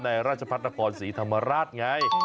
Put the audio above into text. ในราชภัทรกรศรีธรรมรัฐไง